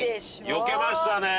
よけましたね。